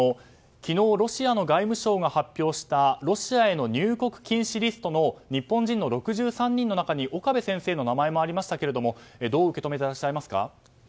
昨日、ロシアの外務省が発表したロシアへの入国禁止リストの日本人の６３人の中に岡部先生の名前もありましたがどう受け止めていらっしゃいますか。